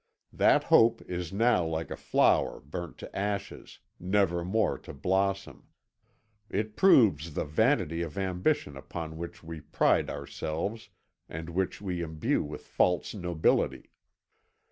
That hope is now like a flower burnt to ashes, never more to blossom. It proves the vanity of ambition upon which we pride ourselves and which we imbue with false nobility.